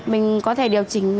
mình có thể điều chỉnh